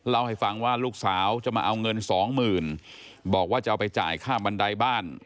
เล่าให้ฟังว่าลูกสาวจะมาเอาเงินสองหมื่นบอกว่าจะเอาไปจ่ายค่าบันไดบ้าน